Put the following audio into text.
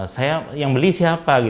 saya yang beli siapa